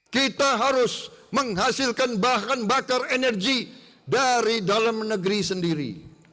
kita harus menghasilkan bahan bakar energi dari dalam negeri sendiri